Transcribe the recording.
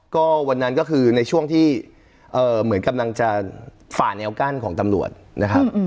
ก็วันนั้นก็คือในช่วงที่เหมือนกำลังจะฝ่าแนวกั้นของตำรวจนะครับ